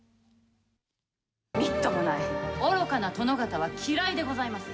みっともない、愚かな殿方は嫌いでございます。